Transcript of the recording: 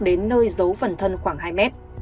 đến nơi giấu phần thân khoảng hai m